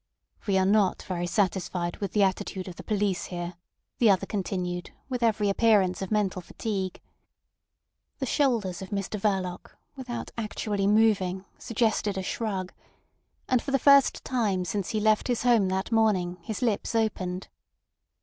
"We are not very satisfied with the attitude of the police here," the other continued, with every appearance of mental fatigue. The shoulders of Mr Verloc, without actually moving, suggested a shrug. And for the first time since he left his home that morning his lips opened.